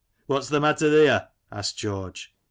"What's th' matter theer ?" asked George.